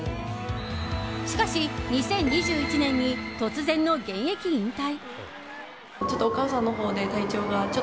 しかし、２０２１年に突然の現役引退。